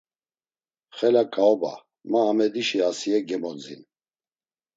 Xela ǩaoba, Ma Amedişi Asiye gemodzin.